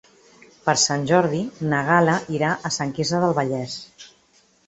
Per Sant Jordi na Gal·la irà a Sant Quirze del Vallès.